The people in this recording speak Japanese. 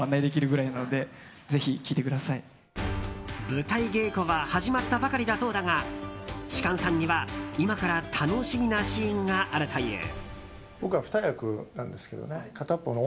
舞台稽古は始まったばかりだそうだが芝翫さんには、今から楽しみなシーンがあるという。